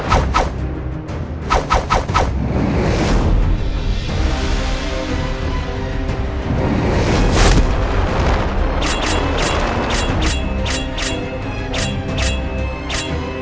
aku ingin menang